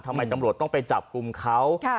ทำไมตำรวจต้องไปจับกลุ่มเขา